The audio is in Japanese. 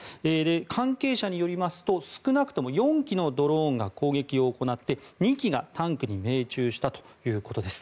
関係者によりますと少なくとも４機のドローンが攻撃を行って２機がタンクに命中したということです。